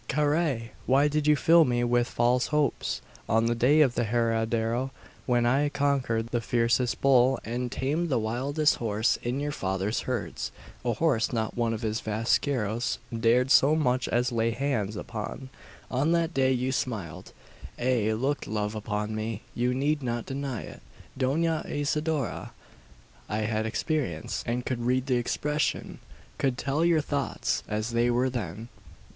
"Carrai! Why did you fill me with false hopes? On the day of the herradero, when I conquered the fiercest bull and tamed the wildest horse in your father's herds a horse not one of his vaqueros dared so much as lay hands upon on that day you smiled ay, looked love upon me. You need not deny it, Dona Isidora! I had experience, and could read the expression could tell your thoughts, as they were then.